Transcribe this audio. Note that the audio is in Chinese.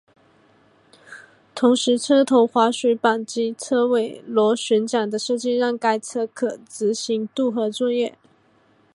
同时车头滑水板及车尾螺旋桨的设计让该车可执行渡河作业。